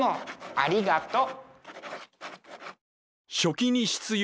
ありがとう。